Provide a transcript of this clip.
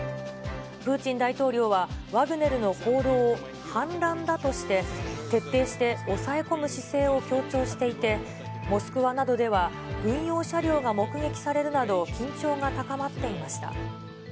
プーチン大統領は、ワグネルの行動を反乱だとして、徹底して抑え込む姿勢を強調していて、モスクワなどでは、軍用車両が目撃されるなど、緊張が高まっていました。